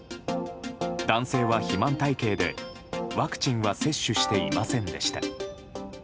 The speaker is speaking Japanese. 男性は肥満体形で、ワクチンは接種していませんでした。